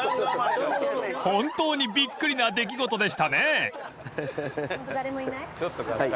［本当にびっくりな出来事でしたね］